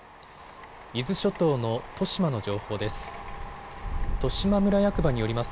伊豆諸島の利島の情報です。